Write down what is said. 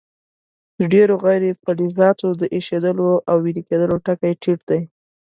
د ډیرو غیر فلزاتو د ایشېدلو او ویلي کیدلو ټکي ټیټ دي.